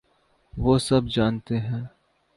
وہ سب جانتے ہیں۔